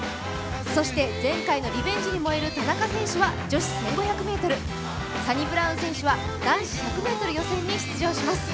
そして前回のリベンジに燃える田中選手は女子１５００ｍ、サニブラウン選手は男子１００ｍ予選に出場します。